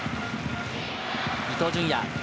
伊東純也。